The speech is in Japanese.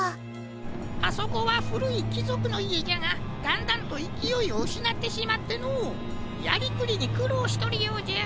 あそこはふるいきぞくのいえじゃがだんだんといきおいをうしなってしまってのうやりくりにくろうしとるようじゃ。